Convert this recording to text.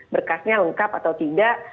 berkasnya lengkap atau tidak